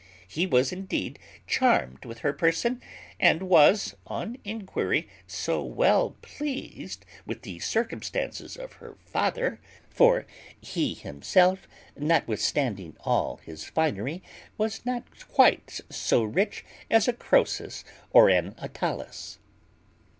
He was indeed charmed with her person, and was, on inquiry, so well pleased with the circumstances of her father (for he himself, notwithstanding all his finery, was not quite so rich as a Croesus or an Attalus).